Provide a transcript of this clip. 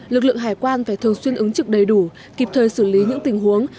lực lượng hải quan phải thường xuyên ứng trực đầy đủ kịp thời xử lý những tình huống